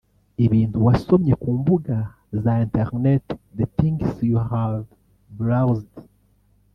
ibintu wasomye ku mbuga za internet (the things you've browsed)